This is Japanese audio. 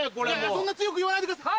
そんな強く言わないでください。